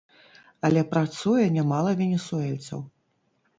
Але працуе нямала венесуэльцаў.